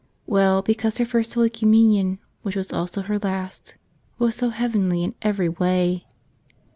Well, because her First Holy Communion, which was also her last, was so heavenly in every way.